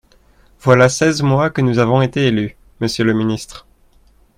Voilà seize mois que nous avons été élus, monsieur le ministre.